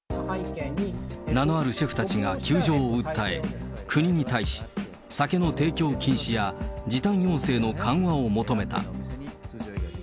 名のあるシェフたちが窮状を訴え、国に対し、酒の提供禁止や、時短要請の緩和を求めた。